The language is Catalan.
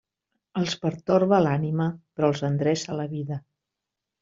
Els pertorba l'ànima, però els endreça la vida.